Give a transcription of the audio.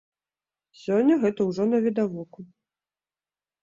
Сёння гэта ўжо навідавоку.